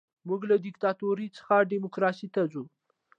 موږ له دیکتاتورۍ څخه ډیموکراسۍ ته ځو.